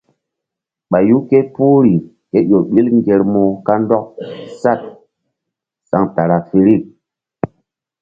Ɓayu ké puhri ke ƴo ɓil ŋgermu kandɔk saɗ centrafirik.